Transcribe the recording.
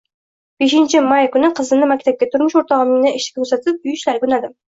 Beshinchi may kuni qizimni maktabga, turmush o`rtog`imni ishga kuzatib, uy ishlariga unnadim